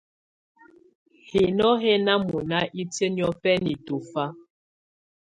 Hinô hɛ̀ nà mɔ̀na itìǝ́ niɔ̀fɛna tɔ̀fa.